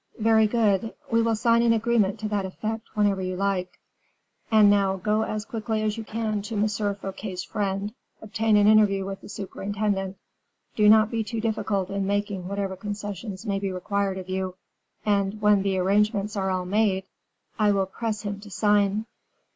"Very good. We will sign an agreement to that effect whenever you like. And now go as quickly as you can to M. Fouquet's friend, obtain an interview with the superintendent; do not be too difficult in making whatever concessions may be required of you; and when once the arrangements are all made " "I will press him to sign."